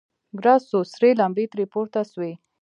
ګړز سو سرې لمبې ترې پورته سوې.